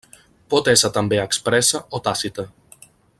Pot esser també expressa o tàcita.